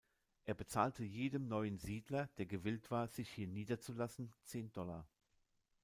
Er bezahlte jedem neuen Siedler, der gewillt war, sich hier niederzulassen, zehn Dollar.